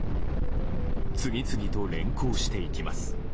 次々と連行していきます。